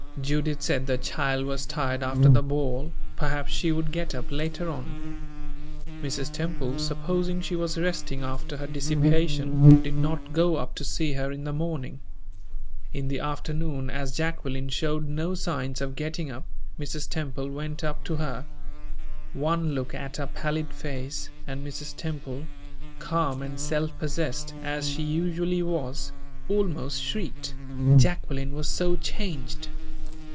Judith said the child was tired after the ball; perhaps she would get up later on. Mrs. Temple, supposing she was resting after her dissipation, did not go up to see her in the morning. In the afternoon, as Jacqueline showed no signs of getting up, Mrs. Temple went up to her. One look at her pallid face, and Mrs. Temple, calm and self possessed as she usually was, almost shrieked, Jacqueline was so changed.